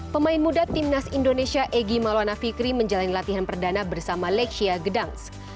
pemain muda timnas indonesia egy malwana fikri menjalani latihan perdana bersama lexia gedansk